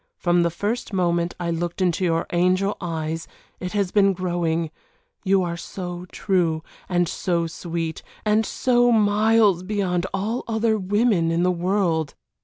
From the first moment I looked into your angel eyes it has been growing, you are so true and so sweet, and so miles beyond all other women in the world.